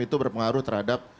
itu berpengaruh terhadap